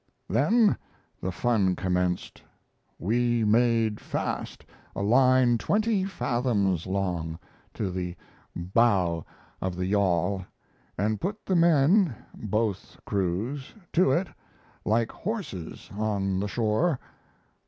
Then the fun commenced. We made fast a line 20 fathoms long, to the bow of the yawl, and put the men (both crews) to it like horses on the shore.